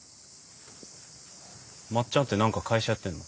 まっちゃんって何か会社やってんの？